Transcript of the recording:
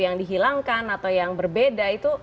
yang dihilangkan atau yang berbeda itu